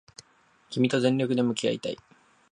君と全力で向き合いたい